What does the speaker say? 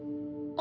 あ。